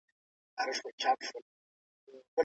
د پیښو د علتونو پېژندل مهم دي.